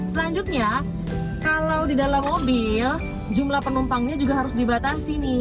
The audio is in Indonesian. selanjutnya kalau di dalam mobil jumlah penumpangnya juga harus dibatasi nih